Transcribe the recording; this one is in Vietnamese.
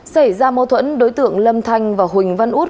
xảy ra mâu thuẫn đối tượng lâm thanh và huỳnh văn út